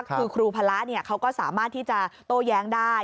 คือครูพระเขาก็สามารถที่จะโต้แย้งได้